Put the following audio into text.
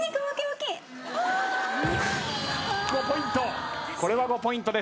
５ポイント。